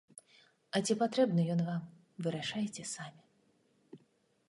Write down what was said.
А ці патрэбны ён вам, вырашайце самі.